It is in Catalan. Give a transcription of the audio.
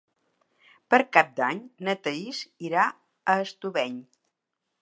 Per Cap d'Any na Thaís irà a Estubeny.